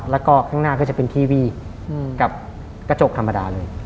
แล้วก็ข้างหน้าก็จะเป็นที่วีบกับกระจกธรรมดาเลย